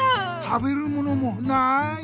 食べるものもない！